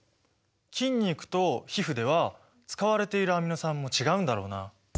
筋肉と皮膚では使われているアミノ酸も違うんだろうな。